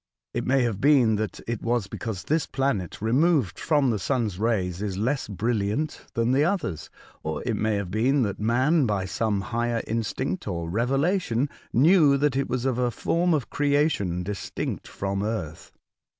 It may have been that it was because this planet, removed from the Sun's rays, is less brilliant than the others, or it may have been that Man, by some higher instinct or revelation, knew that it was of a form of creation distinct from Earth.'